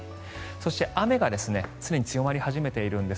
そして雨がすでに強まり始めているんです。